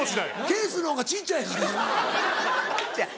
ケースのほうが小っちゃいからやな。